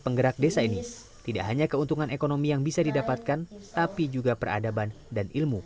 penggerak desa ini tidak hanya keuntungan ekonomi yang bisa didapatkan tapi juga peradaban dan ilmu